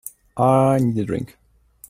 I need a drink.